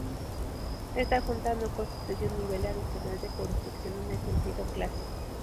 Esta junta no constituye un nivel adicional de jurisdicción en el sentido clásico.